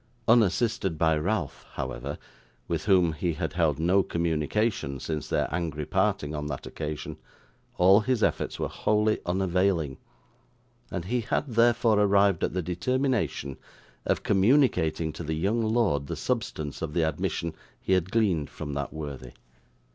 Unassisted by Ralph, however, with whom he had held no communication since their angry parting on that occasion, all his efforts were wholly unavailing, and he had therefore arrived at the determination of communicating to the young lord the substance of the admission he had gleaned from that worthy.